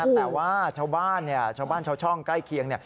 แต่ว่าเช้าบ้านเช้าช่องใกล้เคียง